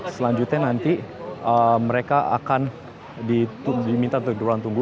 selanjutnya nanti mereka akan diminta untuk diorang tunggu